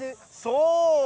そう！